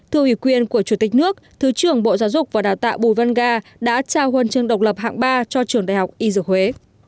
thư ủy quyền của chủ tịch nước thứ trưởng bộ giáo dục và đào tạo bùi văn ga đã trao huân chương độc lập hạng ba cho trường đại học y dược huế